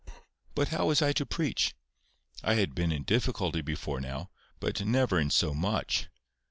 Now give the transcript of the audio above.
But how was I to preach? I had been in difficulty before now, but never in so much.